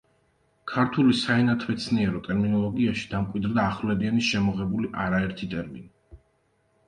ქართული საენათმეცნიერო ტერმინოლოგიაში დამკვიდრდა ახვლედიანის შემოღებული არაერთი ტერმინი.